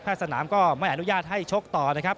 สนามก็ไม่อนุญาตให้ชกต่อนะครับ